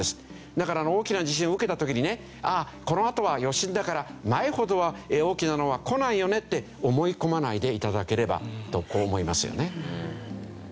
だから大きな地震を受けた時にねこのあとは余震だから前ほどは大きなのはこないよねって思い込まないでいただければとこう思いますよね。